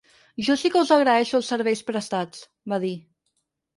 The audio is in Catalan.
Jo sí que us agraeixo els serveis prestats, va dir.